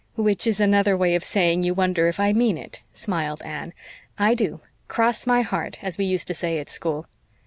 "Which is another way of saying you wonder if I mean it," smiled Anne. "I do, 'cross my heart,' as we used to say at school."